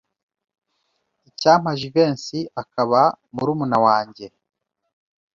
Icyampa Jivency akaba murumuna wanjye.